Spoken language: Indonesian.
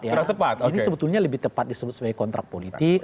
ini sebetulnya lebih tepat disebut sebagai kontrak politik